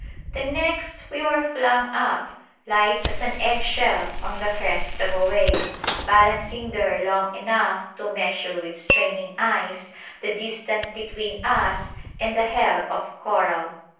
The next we were flung up, light as an egg shell, on the crest of a wave, balancing there long enough to measure with straining eyes the distance between us and the hell of coral.